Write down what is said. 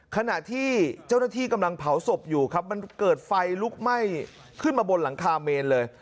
ขณะที่เจ้าหน้าที่กำลังเผาศพอยู่ครับมันเกิดไฟลุกไหม้ขึ้นมาบนหลังคาเมนเลย